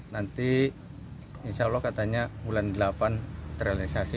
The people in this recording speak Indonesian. nanti insya allah katanya bulan delapan terrealisasi